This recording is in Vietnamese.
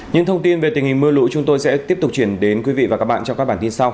những thông tin về tình hình mưa lũ chúng tôi sẽ tiếp tục chuyển đến quý vị và các bạn trong các bản tin sau